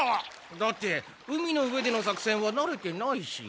だって海の上での作戦はなれてないし。